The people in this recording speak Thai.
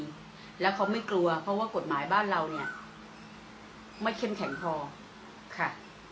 แล้วเขาไม่กลัวเพราะว่ากฎหมายบ้านเราเนี่ยไม่เข้มแข็งพอค่ะ